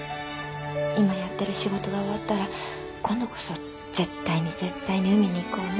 今やってる仕事が終わったら今度こそ絶対に絶対に海に行こうね。